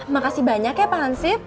makasih banyak ya pak hansif